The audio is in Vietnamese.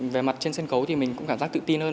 về mặt trên sân khấu thì mình cũng cảm giác tự tin hơn